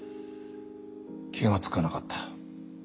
気が付かなかった。